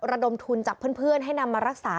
ระดมทุนจากเพื่อนให้นำมารักษา